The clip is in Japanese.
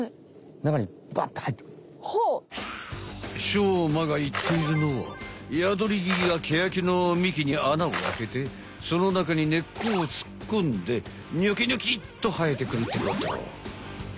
しょうまがいっているのはヤドリギがケヤキの幹に穴をあけてその中に根っこをつっこんでニョキニョキッとはえてくるってこと。